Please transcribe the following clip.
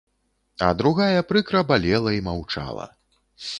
А другая прыкра балела і маўчала.